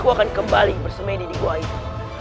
aku akan kembali bersemedi di goa itu